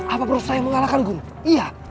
apa berusaha mengalahkan guru iya